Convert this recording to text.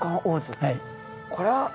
はい。